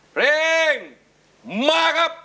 เพลงมาครับ